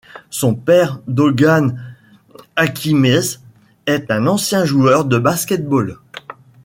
Son père Doğan Hakyemez est un ancien joueur de basket-ball.